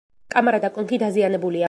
კამარა და კონქი დაზიანებულია.